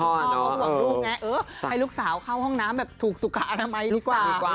ฝุกลูกไงให้ลูกสาวเข้าห้องน้ำถูกสุขอนามัยดีกว่า